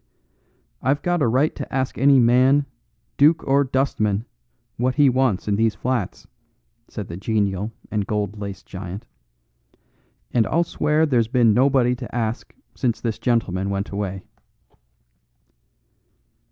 "I've got a right to ask any man, duke or dustman, what he wants in these flats," said the genial and gold laced giant, "and I'll swear there's been nobody to ask since this gentleman went away."